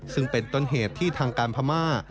ซึ่งเป็นต้นเหตุที่ทางการพม่า